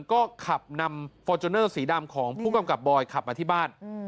ก็ขับนำฟอร์จูเนอร์สีดำของผู้กำกับบอยขับมาที่บ้าน